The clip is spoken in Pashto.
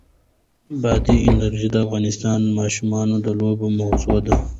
بادي انرژي د افغان ماشومانو د لوبو موضوع ده.